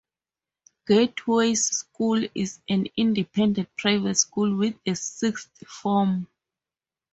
Gateways School is an independent private school with a sixth form.